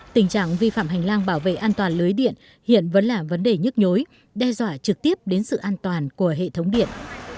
tình trạng vi phạm hành lang bảo vệ an toàn lưới điện hiện vẫn là vấn đề nhức nhối đe dọa trực tiếp đến sự an toàn của hệ thống điện